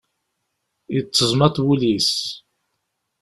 Yetteẓmaḍ wul-is.